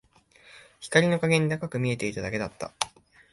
光の加減で赤く見えていただけだった